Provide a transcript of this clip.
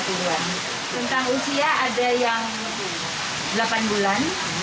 tentang usia ada yang delapan bulan